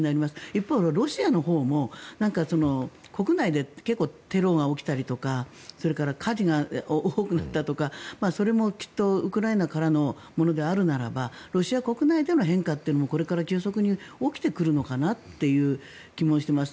一方、ロシアのほうも国内で結構、テロが起きたりとかそれから火事が多くなったとかそれもきっとウクライナからのものであるならばロシア国内での変化もこれから急速に起きてくるのかなという気もしています。